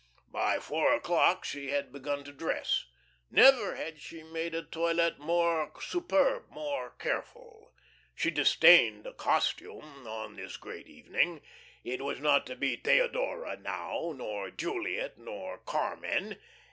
By four o'clock she had begun to dress. Never had she made a toilet more superb, more careful. She disdained a "costume" on this great evening. It was not to be "Theodora" now, nor "Juliet," nor "Carmen."